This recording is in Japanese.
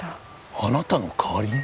あなたの代わりに？